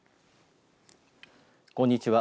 こんにちは。